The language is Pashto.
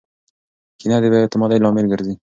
کینه د بې اعتمادۍ لامل ګرځي.